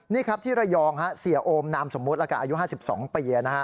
นี่ครับที่ระยองเสียโอมนามสมมุติละกันอายุ๕๒ปี